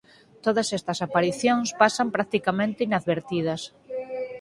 Todas estas aparicións pasan practicamente inadvertidas.